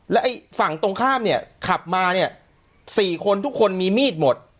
แล้วไอ้ฝั่งตรงข้ามเนี่ยขับมาเนี่ย๔คนทุกคนมีมีดหมด